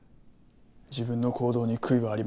自分の行動に悔いはありません。